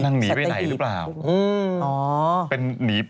หนีไปไหนหรือเปล่า